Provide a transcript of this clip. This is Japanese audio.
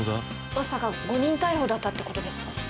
まさか誤認逮捕だったってことですか？